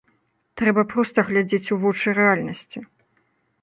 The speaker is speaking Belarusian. Трэба проста глядзець у вочы рэальнасці.